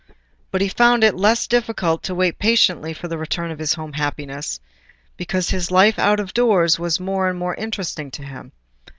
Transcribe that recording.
But he found it the less difficult to wait patiently for the return of his home happiness, because his life out of doors was more and more interesting to him.